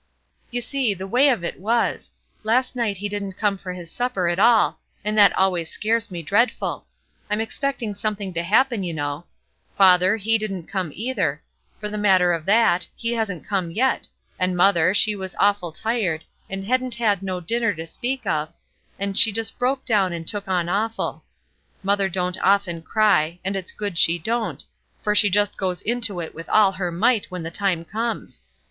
"You see the way of it was: Last night he didn't come for his supper at all, and that always scares me dreadful. I'm expecting something to happen, you know. Father, he didn't come either; for the matter of that, he hasn't come yet; and mother, she was awful tired, and hadn't had no dinner to speak of, and she just broke down and took on awful. Mother don't often cry, and it's good she don't, for she just goes into it with all her might when the time comes.